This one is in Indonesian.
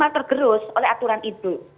tergerus oleh aturan itu